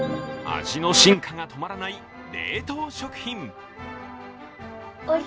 味の進化が止まらない冷凍食品。